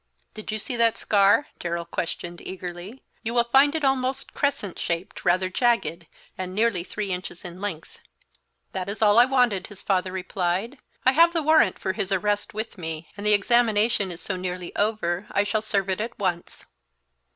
"Did you see that scar?" Darrell questioned, eagerly. "You will find it almost crescent shaped, rather jagged, and nearly three inches in length." "That is all I wanted," his father replied. "I have the warrant for his arrest with me, and the examination is so nearly over I shall serve it at once."